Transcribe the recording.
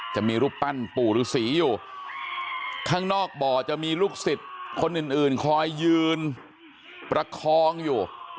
จะมีรูปปั้นปู่ฤษีอยู่ข้างนอกบ่อจะมีลูกศิษย์คนอื่นอื่นคอยยืนประคองอยู่